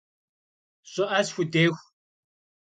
Ş'ı'e sxudêxu.